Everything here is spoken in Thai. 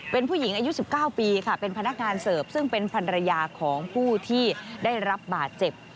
เป็นผู้หญิงอายุ๑๙ปีค่ะเป็นพนักงานเสิร์ฟซึ่งเป็นภรรยาของผู้ที่ได้รับบาดเจ็บ